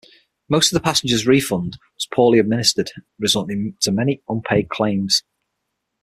Most of the passengers' refund was poorly administered resulting to many unpaid claims.